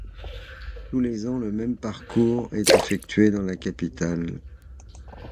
Tous les ans, le même parcours est effectué dans la capitale.